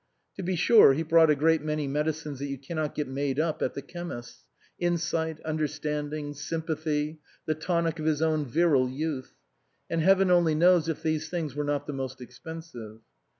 To be sure he brought a great many medicines that you cannot get made up at the chemist's, insight, understanding, sympathy, the tonic of his own virile youth ; and Heaven only knows if these things were not the most expensive.